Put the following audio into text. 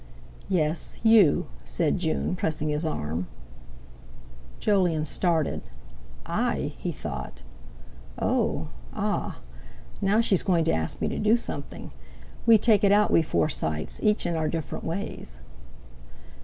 "Yes, you," said June, pressing his arm. Jolyon started. "I?" he thought. "Oh! Ah! Now she's going to ask me to do something. We take it out, we Forsytes, each in our different ways."